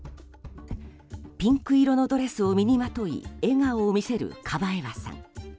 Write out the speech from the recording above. ピンク色のドレスを身にまとい笑顔を見せるカバエワさん。